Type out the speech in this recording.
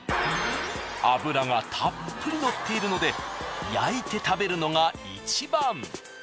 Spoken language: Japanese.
脂がたっぷりのっているので焼いて食べるのが一番。